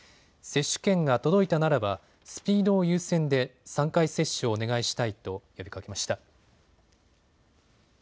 接種券が届いたならば、スピードを優先で３回接種をお願いしたいと呼びかけました。